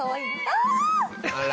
あら。